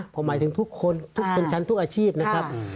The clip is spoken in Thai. ผมหมายถึงทุกคนทุกคนชั้นทุกอาชีพนะครับ